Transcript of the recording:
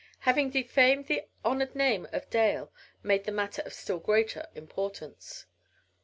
Having defamed the honored name of Dale made the matter of still greater importance.